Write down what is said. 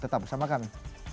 tetap bersama kami